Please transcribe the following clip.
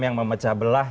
yang memecah belah